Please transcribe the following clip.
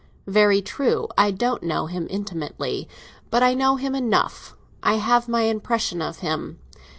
"Very true; I don't know him intimately. But I know him enough. I have my impression of him.